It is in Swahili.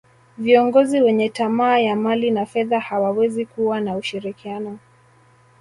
viongozi wenye tamaa ya mali na fedha hawawezi kuwa na ushirikiano